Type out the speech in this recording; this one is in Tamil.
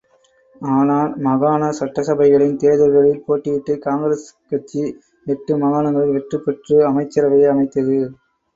ஆனால், மாகாண சட்டசபைகளின் தேர்தல்களில் போட்டியிட்டுக் காங்கிரஸ் கட்சி எட்டு மாகாணங்களில் வெற்றி பெற்று அமைச்சரவையை அமைத்தது.